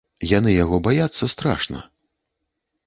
Яны яго баяцца страшна.